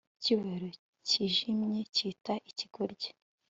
Icyubahiro cyijimyecyita ikigoryi